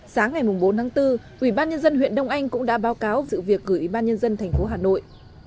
sáng ngày bốn tháng bốn ubnd huyện đông anh cũng đã báo cáo sự việc của ubnd thành phố hà nội